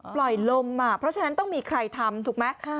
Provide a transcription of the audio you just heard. ปล่อยลมเพราะฉะนั้นต้องมีใครทำถูกไหม